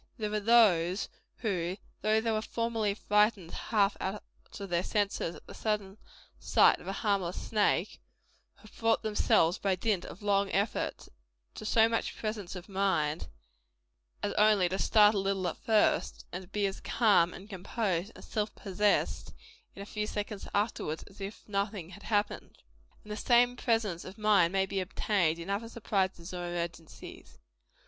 There are those who, though they were formerly frightened half out of their senses, at the sudden sight of a harmless snake, have brought themselves, by dint of long effort, to so much presence of mind, as only to start a little at first and to be as calm, and composed, and self possessed, in a few seconds afterward, as if nothing had happened. And the same presence of mind may be obtained in other surprises or emergencies.